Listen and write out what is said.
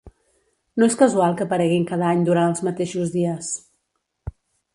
No és casual que apareguin cada any durant els mateixos dies.